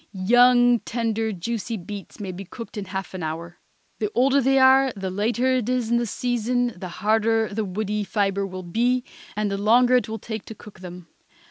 Young, tender, juicy beets may be cooked in half an hour. The older they are, the later it is in the season, the harder the woody fibre will be, and the longer it will take to cook them.